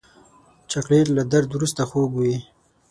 چاکلېټ له درد وروسته خوږ وي.